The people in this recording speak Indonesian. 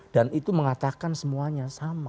dan itu mengatakan semuanya sama